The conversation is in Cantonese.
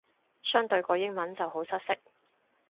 相對個英文就好失色